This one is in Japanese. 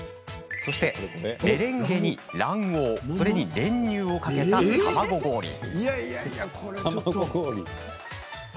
そしてメレンゲに卵黄それに練乳をかけた卵氷です。